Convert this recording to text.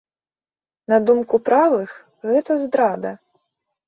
На думку правых, гэта здрада.